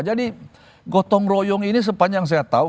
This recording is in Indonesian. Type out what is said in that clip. jadi gotong royong ini sepanjang saya tahu